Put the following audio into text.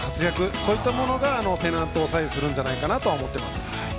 そういったものがペナントを左右するんじゃないかと思います。